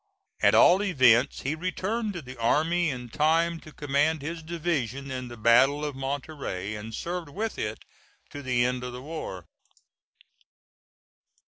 At all events he returned to the army in time to command his division in the battle of Monterey, and served with it to the end of the war.